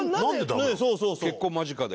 結婚間近で。